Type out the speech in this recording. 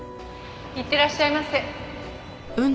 いってらっしゃいませ。